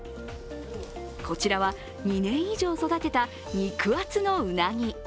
こちらは２年以上育てた肉厚のうなぎ。